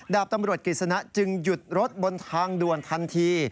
ดาบตำรวจกิจสนะจึงหยุดรถบนทางด่วนทันที